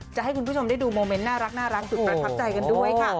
จะให้คุณผู้ชมได้ดูโมเมนต์น่ารักสุดประทับใจกันด้วยค่ะ